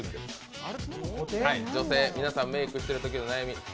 女性、皆さん、メークしてるときの悩み。